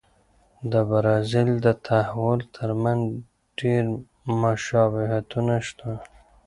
د برازیل د تحول ترمنځ ډېر مشابهتونه شته.